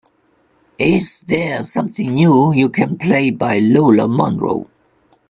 is there something new you can play by Lola Monroe